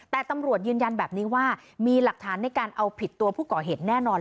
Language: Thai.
แต่ตำรวจยืนยันแบบนี้ว่ามีหลักฐานในการเอาผิดตัวผู้ก่อเหตุแน่นอน